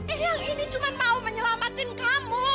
eyang ini cuma mau menyelamatin kamu